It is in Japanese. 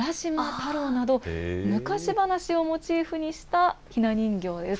太郎など、昔話をモチーフにしたひな人形です。